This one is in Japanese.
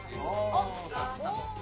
あやった！